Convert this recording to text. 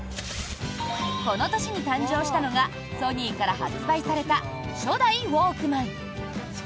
この年に誕生したのがソニーから発売された初代ウォークマン。